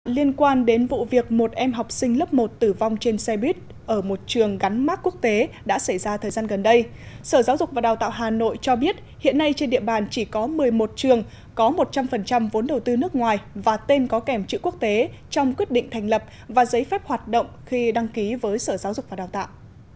liên quan đến vụ việc một em học sinh lớp một tử vong trên xe buýt ở một trường gắn mát quốc tế đã xảy ra thời gian gần đây sở giáo dục và đào tạo hà nội cho biết hiện nay trên địa bàn chỉ có một mươi một trường có một trăm linh vốn đầu tư nước ngoài và tên có kèm chữ quốc tế trong quyết định thành lập và giấy phép hoạt động khi đăng ký với sở giáo dục và đào tạo